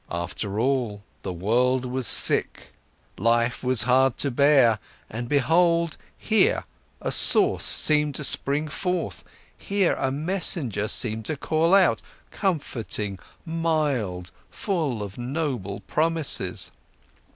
After all, the world was sick, life was hard to bear—and behold, here a source seemed to spring forth, here a messenger seemed to call out, comforting, mild, full of noble promises.